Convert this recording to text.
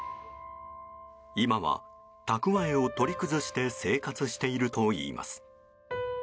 今は、蓄えを取り崩して生活しているといいます。